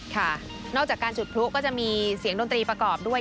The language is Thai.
ค่ะนอกจากการจุดพลุก็จะมีเสียงดนตรีประกอบด้วย